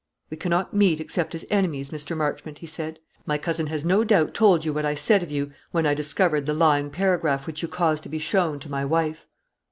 "We cannot meet except as enemies, Mr. Marchmont," he said. "My cousin has no doubt told you what I said of you when I discovered the lying paragraph which you caused to be shown to my wife."